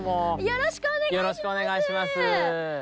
よろしくお願いします。